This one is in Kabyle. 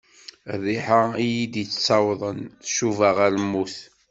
Rriḥa iyi-d-yettawḍen tcuba ɣer lmut.